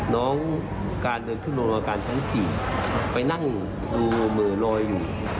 น้องการเดินขึ้นโรงอาการชั้น๔ไปนั่งดูมือลอยอยู่